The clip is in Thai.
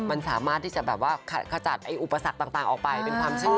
มันสามารถที่จะแบบว่าขจัดอุปสรรคต่างออกไปเป็นความเชื่อ